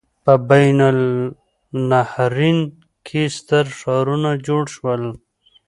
په بین النهرین کې ستر ښارونه جوړ شول.